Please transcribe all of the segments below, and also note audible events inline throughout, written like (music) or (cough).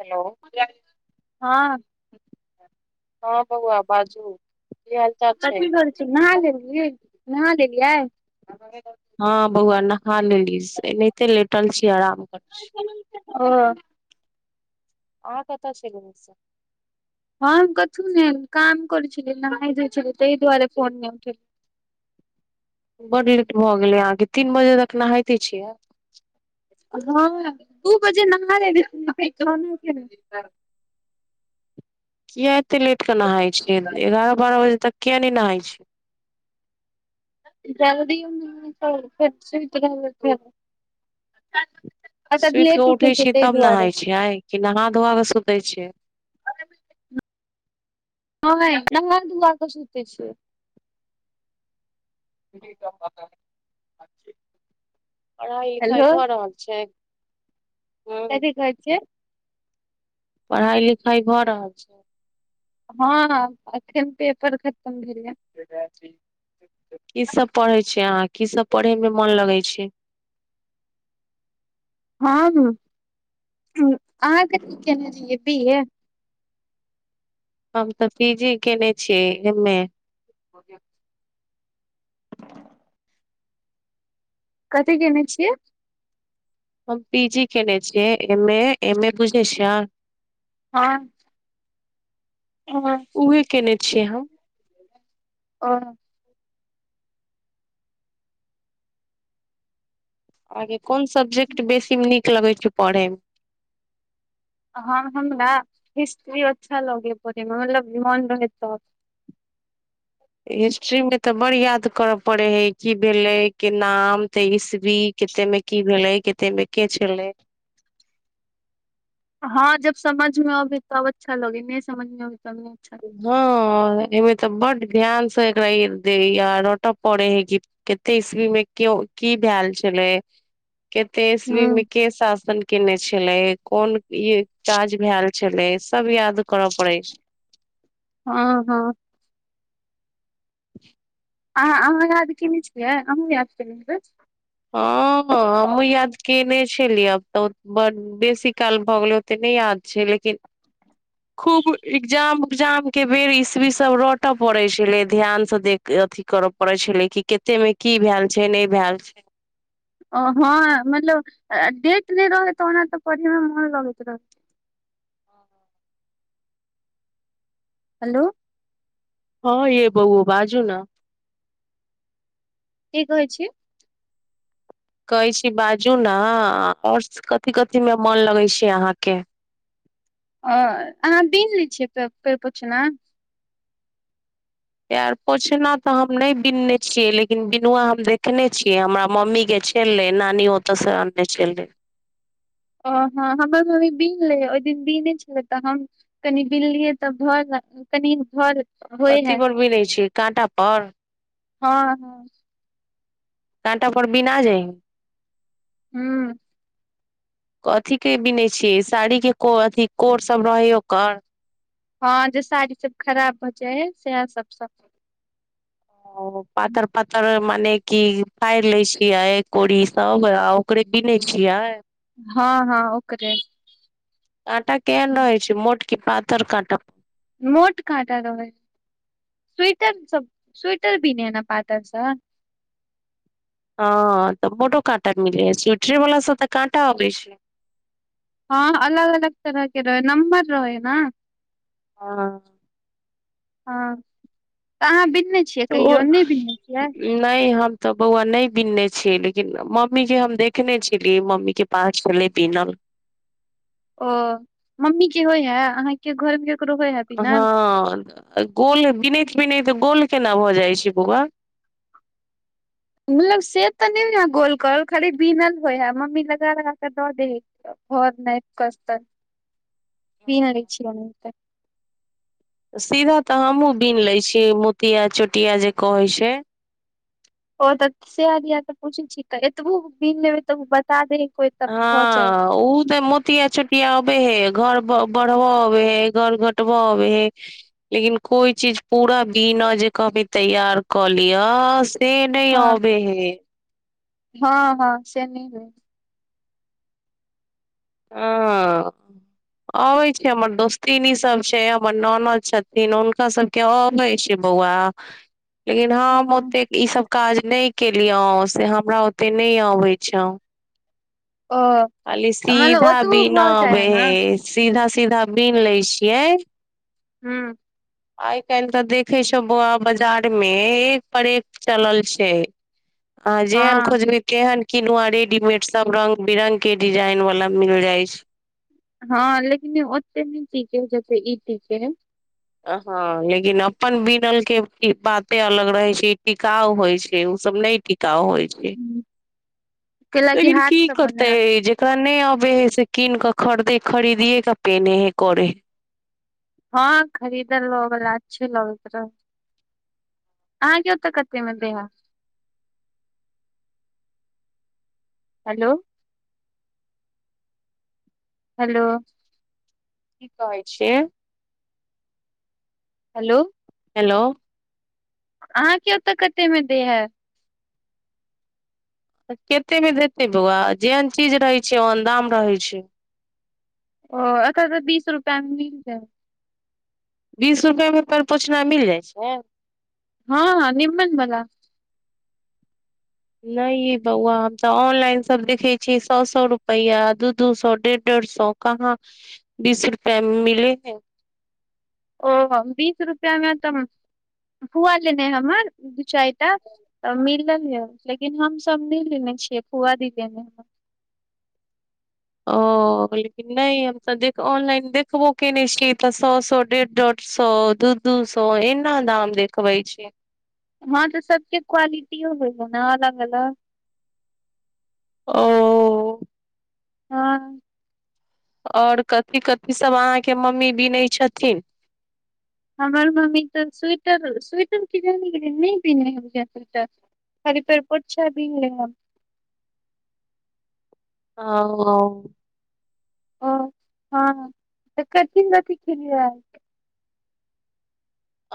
Hello, हँ हँ बौआ बाजू, की हाल चाल छै कथी करै छी? नहा लेलियै नहा लेलियै? हँ बौआ नहा लेलीयै से एनाहिते लेटल छी आराम कर ओ। (unintelligible) अहाँ कतऽ छेलौ हे से? हम कथु नै काम करै छलियै नहाय धोइ छलियै तहि दुआरे फोन नै उठे बड लेट भऽ गेलै अहाँके तीन बजे तक नहाइते छियै। हँ दू बजे नहा लेने रहियै फेर तहने केने रहियै। किया एते लेट के नहाय छियै एगारह बारह बजे तक किया नै नहाय छियै। (unintelligible) सुइत के लेट उठै छै छी ताहि तब दुआरे नहाय छीयइ कि नहा धोआ कऽ सुतइ छीयै। नहइ नहा धुआ कऽ सुतै छियै। । (inaudible) पढ़ाइ लिखाइ भऽ रहल छै? हूँ कथी कहय छिऐ? पढ़ाई लिखाई भऽ रहल छै? हँ अखैन पेपर खतम भेल ए। कि सब पढ़ै छी अहाँं कि सब पढ़ै मे मोन लगै छै? हम्म, अहाँ कथी केने रहियै बी ए? हम तऽ पी जी केने छियै एम ए। (inaudible) कथी केयने छियै। हम पी-जी केने छियै एम-ए, एम- ए बुझे छियै। हँ। हँ। (unintelligible) उहेए केने छियै हम। ओ। अहाँके कोन सब्जेक्ट बेसी नीक लगैत छैय पढ़यमे। हँ हमरा हिस्ट्री अच्छा लगे पढ़ेमे मतलब मन रहै तब। हिस्ट्री मे तऽ बड़ याद करऽ पड़े हइ की भेलै के नाम तऽ ईस्वी केतेमे। की भेलै कतेक मे के छलै। हँ जब समझ मे अबै तब अच्छा लगे नहि समझ मे अबै तब नहि अच्छा लगे। हँ एमे तऽ बड ध्यान से एकरा दे आ रट पड़े है की केते इसवी में के की भेल छलै केते लगे इसवी हूँ में के शासन केने छलै कोन ई काज भेएल छलै सब याद करय पड़ै छैय। हँ- हँ। अहाँ छै -अहाँ याद केने छेलियै अहूँ याद केने हेबै। हँ हमहुँ याद केने छलियै आब तऽ बड बेसी काल भऽ गेलै तऽ नहि याद छैय लेकिन खूब एग्जाम उग्जाम के बेर इस्वी सब रऽटऽ पड़े छलै ध्यान से देख अथी करय पड़े छले कि कते मे की भेएल छै नहि भेएल छै। हँ मतलब डेट नहि रहै तऽ ओना तऽ पढ़े मे मोन लगैत रह। हेलो। हँ यै बौओ बाजू न। की कहै छी। कहै छी बाजू न आओर कथि-कथि मे मन लगे छैय अहाँ के। ओ अहाँ बिन लै छियैे पै-पैड़ पोछना। पैड़ पोछना तऽ हम नहि बिनने छीये लेकिन बिनुआ हम देखने छीये हमरा मम्मी के छैय। छेलेै नानी ओतऽ से अनने छेलै। ओ हँ हमर मम्मी बीन लैयऽ ओहि दिन बीने छलै तऽ हम कनि बीनलियै तऽ भऽ गेल कनिक घर कथी पर बीनै छीयै काँटा पर। हँ- हँ। कांटा पर बिना जाइयै। हूं। कथि के बिनै छियइ साड़ी के को अथि कोर सब रहैय ओकर। हँ जे साड़ी सब खराब भ जाय है सेहे सब, सब। ओ पातर -पातर मने कि फाइड़ लै छियै कोड़ी सब, आ ओकरे बिनै छियै। हँ- हँ ओकरे। काँटा केहन रहै छैय मोट कि पातर काँटा। मोट काँटा रहै छैय, स्वेटर सब स्वेटर बिने है न पातर सँ। हँ तऽ मोटो काँटा मिले अछि, स्वेटरे वाला सब तऽ काँटा अबै छैय। हँ अलग -अलग तरह के रहै नम्बर रहे है न। हं। हँ तऽ अहाँ बिनने छियै, तऽ ओ कहियो नै बिनने छियै। नहि हम तऽ बौआ नहि बिनने छि, लेकिन मम्मी के हम देखने छेलियै मम्मी के। पाँच के पास छलै बिनल। ओ मम्मी के होय हे अहाँके घर के। हँ गोल बनैत -बिनैत गोल केना भऽ जाइ छै बौआ। मतलब से तऽ नहि होए गोल करल खाली बिनल होय है, मम्मी लगा लगा क दऽ दइ है। घर नहि कत भीन लै छी। सीधा तऽ हमहुं बिन ले छियै, मोतिया चोटिया जे कहै छै। ओ तऽ सेएह दिया तऽ पूछै छी, तऽ एतबो बिन लेबे तऽ बता दे है कोई। हँ उतऽ मु। टया छटिया अबै है, घर बढ़ब अबै है, घर घटबऽ अबै है। लेकिन कोई चीज पूरा बीन जे कहबई तैयार कऽ लिय। से नहि हँ अबे हे। हँ हँ से नहि होए। हॅं। अबै छै, हमर दोस्तनी सब छै, हमर ननद सब छथिन हुनका सब। के अबै छै, बौआ लेकिन हम ओ ओतेक ई सब। काज नहि केलिय से हमरा ओते नहि अबै छै। ओ। मतलब सीधा ओतबो बिन भऽ जाइ अबे है ने हे सीधा सीधा बिन लै छियै। हू। आइ काइलह तऽ देखे छ, बौआ बाजार में एक पर एक चलल छै। आंहां जेहन हँ खोजबै तेहन किनुआ रेडीमेड सब रंग बिरंग के डिजाइन वाला। ल मिल जाइ छै। हँ लेकिन ओते न टिके है जते ई टिके है। हँ लेकिन अपन बिनल के बाते अलग रहैत छै, ई टिकाउ होइ छै ओसभ नहि। टिकाउ होइ छै, हूँ, कैलाकि लेकिन हाथ की सब करतै बनायल रहे जे। तऽ नहि अबे है, से कीने कऽ खरदे खरीदियए क पेनहै करे है। हँ खरीदल ल बला अच्छे लगैत रहे। आंहां के ओत कते में दैहे। हेल। हेलो। कि कहै छियै। हलो। हेलो। अहाँके ओतऽ कते में दै हे। कते में देते बौआ जेहन चीज रहै छै, ओहन दाम रहै छै। ओ अत तऽ बीस रुपया में मिल जाइ छै। बीस रुपआ मे पर पोछना मिल जाइ छै। हँ निमन बला। नहि बौआ हम तऽ ऑनलाइन सब देखे छीयै, सए सए रुपैआ दू दू सए डेढ़ डेढ़ सए। कहाँ बीस रुपआ मिले है। ओ बीस रुपआ मे तऽ पुआ लेने हमर दू चाइटा। तऽ मिलल य लेकिन हमस नहि लेने छियै, फुआ दी देने ह। ओ। लेकिन नै, हमतऽ दे-ऑनलाइन देखबो केने छीयै, तऽ सौ- सौ डेढ़ -डाॅट सौ दू दू सो एना दाम देखबै छै। हँ तऽ सबके क्वालिटियो भेल ह ने अलग - अलग। ओ। हँ। ओर कथि- कथि सब अहाँके मम्मी बीनै छथिन? हमर मम्मी तऽ स्वेटर- स्वेटर कियाने गेलयै नै बिने हय स्वेटर। खालि पेर पौछा बीन लैय हन। हाँ। ओ हँ कथि -अथि केलयै ह।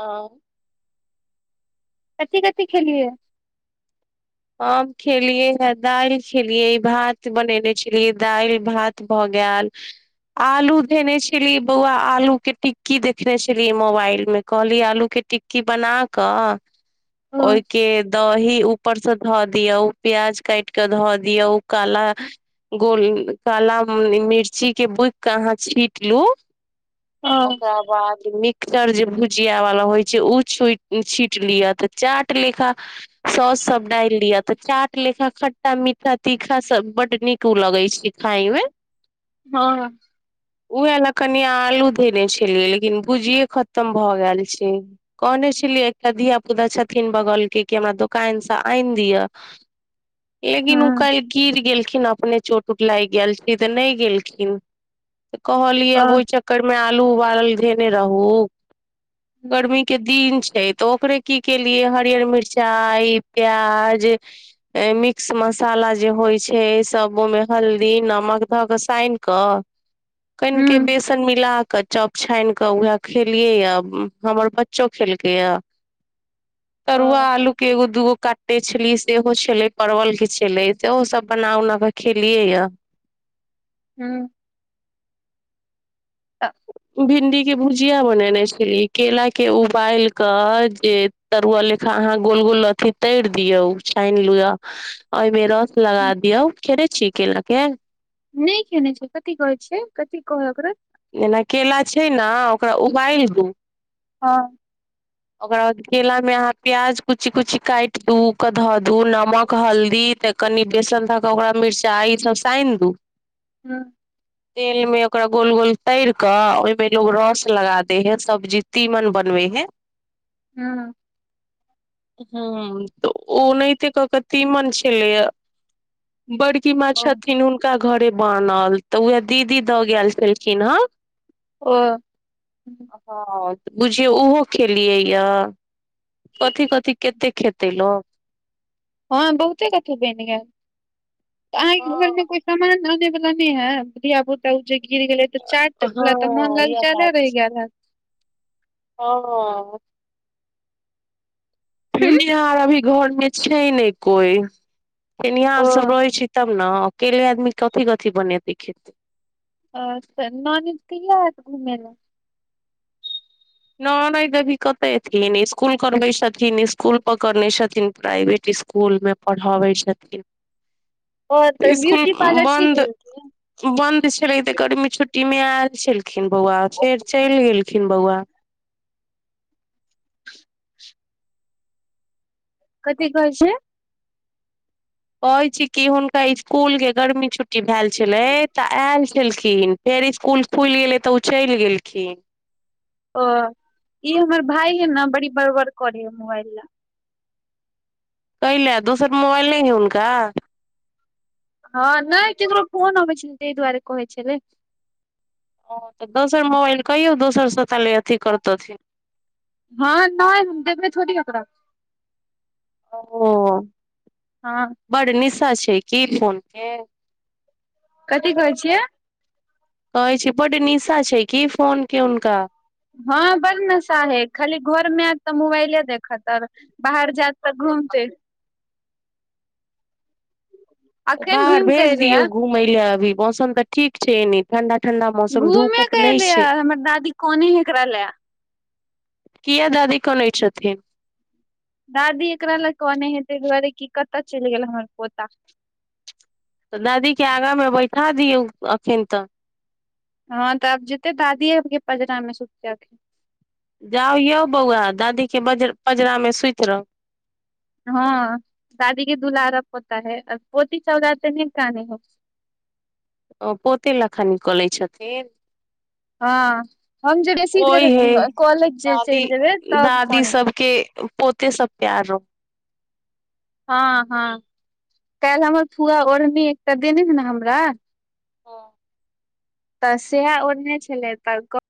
आं। कथी- कथी खेलयै। हम खेलिय हे, दालि खेलियै, भात बनेने छलियै दालि, भात। भऽ गैल। आलू धने छलीयै बौआ, आलू के टिक्की देखने छलीयै मोबाइल में, कहलीयै आलू के टिक् की बना कऽ, ओ ओहिके दही ऊपरसँ धऽ दियो, प्याज काटिकऽ धऽ दियो, काला गोल काला मिर्ची के, बुइक के अहाँ छीट लू। ओ ओकरा बाद मि चर भुजिया वाला होइ छै, ओ छुट-छीट लिअ तऽ चाट लेखा सॉस। डालि लिअ तऽ चाट लेखा खट्टा- मीठा -तीखा सब बड् नीक उ लगे छै, खााय में। हँ। उह लऽ कनि आलू धेने छलियै, लेकिन भुजिये खतम भए गेल छै। कहने छलियै, एकटा धिया- पुता छथिन बगल के की हमरा दुोकान से आइन दियऽ लेकिन, ऊ हँ काइल गिर गेलखिन अपने चोट -उट लागि गेल छलै तऽ नै गेलखिन। तऽ कहलियै ओ आब ओहि चक्कर में, आलू उबाल के धेने रहू, ह गर्मी के दिन छै, तऽ ओकरे की केलियै हरियर मिरचाई, प्याज मिक्स मसाला जे होइ छै, सब ओहिमे हल्दी नमक धऽ क सानि कऽ कैन के ह बिस सन मिला कऽ, चाॅप छानि कऽ, उएह खेलियै या हमर बच्चो खेलकैया। तरुआ ओ आलू के एगो दुगो काटेने छलीयै सेहो छलै, परवल के छलै, सेहो सब बना उना कऽ खेलियै यऽ। हूं। हँ (inaudible) भिंडी के भुजिया बनेने छलीयै, केला के उबाल कऽ जे तरुआ लेखा अहाँ गोल- गोल अथी तैर दियऔ, उ छानि लिअ। ओहिमे रस ह लगा दियौ, खेने छियै केेला के? नै खेने छियै, कथि कहै छियै, कथि कहलो ओकरा जेना केेला छै ने, ओकरा उबालि दू हँ ओकरा बाद केला में अहाँ प्याज कुची - कुची काटि दू ओकरा धऽ दू नमक हल्दी त कनि बेसन धऽ कऽ ओकरा मिर्चाइ इ सब सानि दू। ह (inaudible) तेलमे ओकर गोल गोल तरि कऽ ओहिमे लोक रस लगा दैत हइ सब्जी तीमन बनबयमे। ह्मम। ह्मम, तऽ ओ ओनाहिते कऽ कऽ तीमन छलैए। बड़की माँ ओ छथिन, हुनका घरे बनल, तऽ उएह दीदी दऽ गएल छल छी न ओ ह्म। हँ, तऽ बुझियौ ओहो खेलियैए। कथी-कथी केत्तेक खेतै लोक? हँ बहुतेक अथी बनि गेल। तऽ अहाँके हँ घरमे कोइ सामान अनयवला नहि हए? धिया-पुत तब ओ जे गिर गेलय, तऽ चाट लए तऽ मोन हँ इह ललचाएले बात रहि गेल हएत? हँ। हूँ खेनिहार अभी घरमे छै नहि कोइ। ओ खेनिहार सभ रहैत छै तब ने। अकेले आदमी कथी-कथी बनेतै, खेतै। अच्छा। ननैद कहिख आएत घूमय लए? ननैद अभी कतय अयथिन। इसकुल करबैत छथिन, इसकुल पकड़ने छथिन प्राइवेट इसकुल। इसकुल मे पढ़बै छथिन। ओ तऽ इसकुल ब्यूटी पार्लर सीख बन्द लेलकै। बन्द छलै, तऽ गर्मी छुट्टीमे आयल छलखिन बौआ। फेर चलि गेलखिन बौआ। कथि कहैत छियै? कहैत छी कि हुनका इसकुलके गर्मी छुट्टी भएल छलै, तऽ आयल छलखिन। फेर इसकुल खुलि गेले तऽ ओ चलि गेलखिन। ओ, ई हमर भाय अइ ने, बड़ी बड़-बड़ करैए मोबाइल लए। ताहि लेल, दोसर मोबाइल नहि हइ हुनका? हँ नहि, केकरो फोन अबै छलै ताहि दुआरे कहैत छलै। ओ तऽ दोसर मोबाइल कहियौ दोसरसँ ताले अथी करतथिन। हँ नहि, देखबै थोड़ी ओकरा। ओ हँ। बड़ निशा छै की फोनके? कथी कहैत छियै? कहैत छी कि बड्ड निशा छै की फोनके हुनका? हँ, बड़ नशा हइ। खाली घरमे आएत तऽ खाली मोबाइले देखत और बाहर जाएत तऽ घुमिते। अखन बाहर घुमि के भेज एले या दियौ घुमय लेल अभी। मौसम तऽ ठीक छै नीक। ठण्ढा-ठण्ढा मौसम घूमे धूप-ऊप के नहि एले या छै। हमर दादी कने है एकरा ले किएक दादी कनैत छथिन? दादी एकरा लए कनैत हइ ताहि दुआरे कि कतय चलि गेल हमर पोता। तऽ दादीके आगाँमे बैठा दिऔ एखन तऽ। हँ तऽ आब जेतै दादीएके पँजरामे सुततै एखनि। जाउ यौ बौआ, दादीके बज पँजरामे सुति रहू। हँ, दादीके दुलारक पोता हइ और पोतीसभ लए एतेक नहि कानै हइ। ओ पोते लए खाली कनैत छथिन? हँ हम जे बेसी देर ओहि हए। कॉलेज जे चलि दादी जेबै तब दादी कोन सभकेँ पोतेसँ प्यार रहत। हँ हँ काल्हि हमर फुआ ओढ़नी एकटा देने छै ने हमरा हं। तऽ सैहे ओढने छलै त